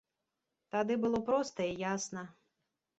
Тады было проста і ясна.